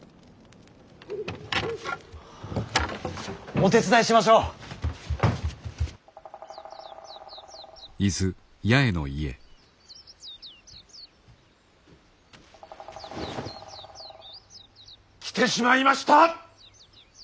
お手伝いしましょう。来てしまいました！